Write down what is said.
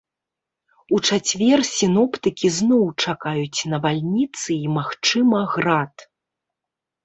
У чацвер сіноптыкі зноў чакаюць навальніцы і, магчыма, град.